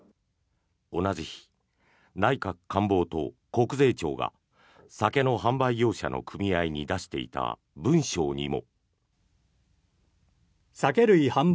同じ日、内閣官房と国税庁が酒の販売業者の組合に出していた文書にも。